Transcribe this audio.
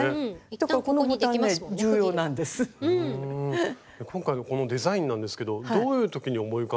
今回のこのデザインなんですけどどういう時に思い浮かんだんですか？